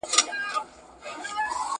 ایا په فضا کې ژوند کول اسانه کار دی؟